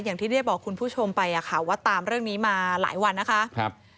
อย่างที่ได้บอกคุณผู้ชมไปอะค่ะว่าตามเรื่องนี้มาหลายวันนะคะครับ